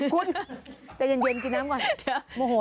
คุณใจเย็นกินน้ำก่อนโมโห